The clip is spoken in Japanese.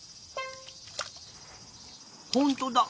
ほんとだ！